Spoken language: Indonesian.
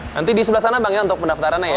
nanti di sebelah sana bang ya untuk pendaftarannya ya